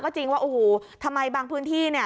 ก็จริงว่าโอ้โหทำไมบางพื้นที่